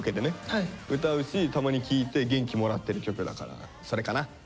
歌うしたまに聴いて元気もらってる曲だからそれかな。